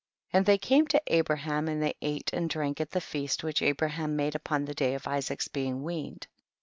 7. And they came to Abraham, and they ate and drank at the feast which Abraham made upon the day of Isaac's being weaned.